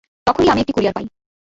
তখনই আমি একটি কুরিয়ার পাই।